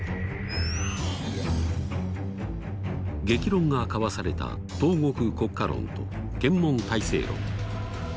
激論が交わされた「東国国家論」と「権門体制論」。